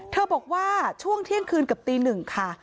บอกว่าช่วงเที่ยงคืนเกือบตีหนึ่งค่ะ